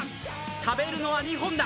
食べるのは２本だ